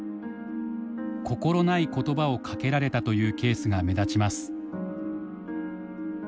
心ない言葉をかけられたというケースが目立ちます。